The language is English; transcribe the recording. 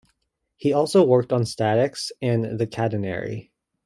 He also worked on statics and the catenary.